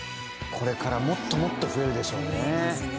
これからもっともっと増えるでしょうね。